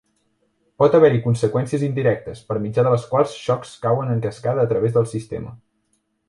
Pot haver-hi conseqüències indirectes, per mitjà de les quals xocs cauen en cascada a través del sistema.